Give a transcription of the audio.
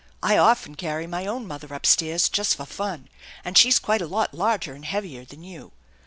I often carry my own mother up stairs just for fun, and she's quite a lot larger and heavier than you.